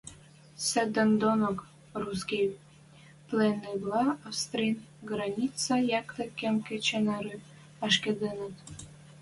Седӹндонок русский пленныйвлӓ Австрин границӓ якте кым кечӹ нӓрӹ ашкедӹнӹт.